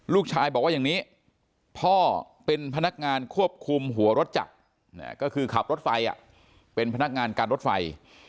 ลูกชายบอกว่าอย่างนี้พ่อเป็นพนักงานควบคุมหัวรถจักรก็คือขับรถไฟเป็นพนักงานการรถไฟ